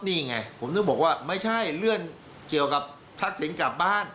นี่ไงผมถึงบอกว่าไม่ใช่เลื่อนเกี่ยวกับทักษิณกลับบ้าน